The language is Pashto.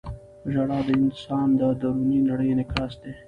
• ژړا د انسان د دروني نړۍ انعکاس دی.